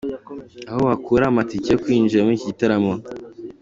Aho wakura amatike yo kwinjira muri iki gitaramo.